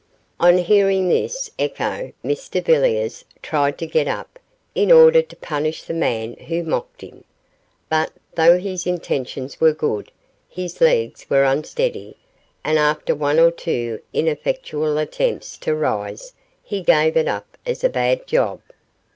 On hearing this echo Mr Villiers tried to get up, in order to punish the man who mocked him, but, though his intentions were good, his legs were unsteady, and after one or two ineffectual attempts to rise he gave it up as a bad job.